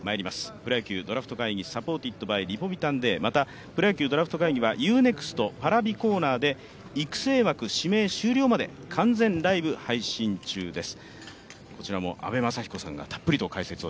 「プロ野球ドラフト会議ｓｕｐｐｏｒｔｅｄｂｙリポビタンＤ」、また「プロ野球ドラフト会議」はＵ−ＮＥＸＴ、Ｐａｒａｖｉコーナーで育成枠指名終了まで完全ライブ配信中です。